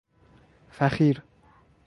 فخیر